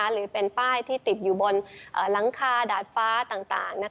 หรือเป็นป้ายที่ติดอยู่บนหลังคาดาดฟ้าต่าง